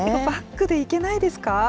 バックで行けないですか？